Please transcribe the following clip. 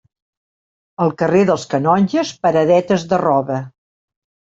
Al carrer dels Canonges paradetes de roba.